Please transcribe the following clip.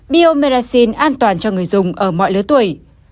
biomeracin an toàn cho người dùng ở mọi lứa tuổi